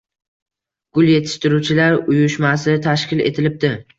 Gul yetishtiruvchilar uyushmasi tashkil etilibdi.